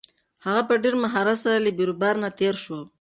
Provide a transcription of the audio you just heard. هغه په ډېر مهارت سره له بیروبار نه تېر شو.